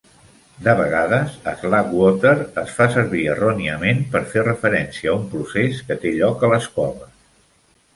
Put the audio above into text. De vegades, "slack water" es fa servir erròniament per fer referència a un procés que té lloc a les coves.